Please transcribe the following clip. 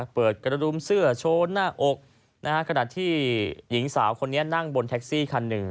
กระดุมเสื้อโชว์หน้าอกขณะที่หญิงสาวคนนี้นั่งบนแท็กซี่คันหนึ่ง